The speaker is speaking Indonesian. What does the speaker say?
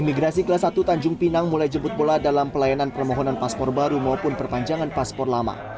imigrasi kelas satu tanjung pinang mulai jemput bola dalam pelayanan permohonan paspor baru maupun perpanjangan paspor lama